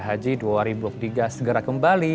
haji dua ribu tiga segera kembali